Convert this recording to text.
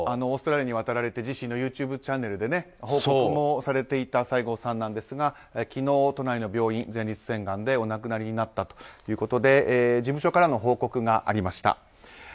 オーストラリアに渡られて自身のＹｏｕＴｕｂｅチャンネルで報告もされていた西郷さんなんですが昨日、都内の病院で前立腺がんでお亡くなりになったということで事務所からの報告がありました。